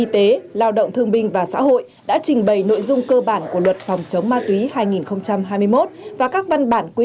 về công tác dân vận